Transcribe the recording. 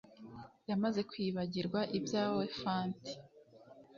Yamaze kwibagirwa ibyawe fanty